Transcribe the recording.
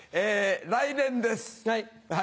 来年です。